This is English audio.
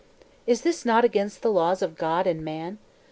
"Is not this against the laws of God and man?